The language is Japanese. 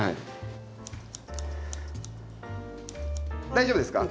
大丈夫ですか？